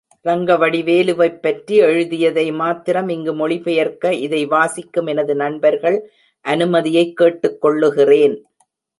ரங்கவடிவேலுவைப்பற்றி எழுதியதை மாத்திரம் இங்கு மொழி பெயர்க்க, இதை வாசிக்கும் எனது நண்பர்களின் அனுமதியைக் கேட்டுக்கொள்ளுகிறேன்.